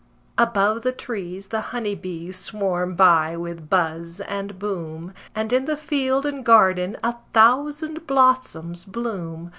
Above the trees the honey bees swarm by with buzz and boom, And in the field and garden a thousand blossoms bloom.